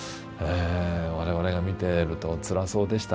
我々が見てるとつらそうでした。